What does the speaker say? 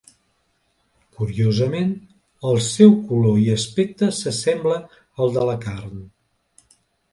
Curiosament, el seu color i aspecte s'assembla al de la carn.